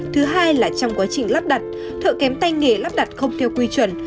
thứ hai là trong quá trình lắp đặt thợ kém tay nghề lắp đặt không theo quy chuẩn